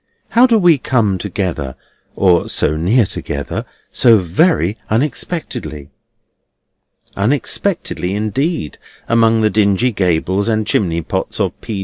How do we come together—or so near together—so very unexpectedly?" Unexpectedly indeed, among the dingy gables and chimney pots of P.